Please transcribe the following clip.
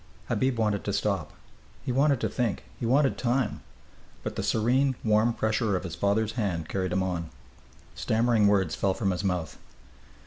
Habib wanted to stop. He wanted to think. He wanted time. But the serene, warm pressure of his father's hand carried him on. Stammering words fell from his mouth.